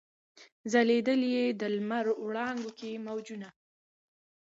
ځلېدل یې د لمر وړانګو کي موجونه